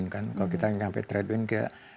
kalau kita nyampe trade wind